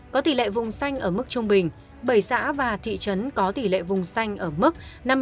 có tỷ lệ vùng xanh ở mức trung bình bảy xã và thị trấn có tỷ lệ vùng xanh ở mức năm mươi hai tám mươi tám